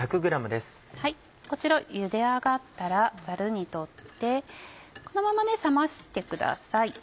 こちらゆで上がったらザルに取ってこのまま冷ましてください。